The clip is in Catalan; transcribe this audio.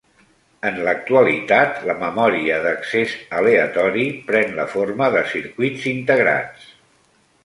En l'actualitat, la memòria d'accés aleatori pren la forma de circuits integrats.